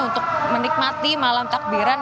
untuk menikmati malam takbiran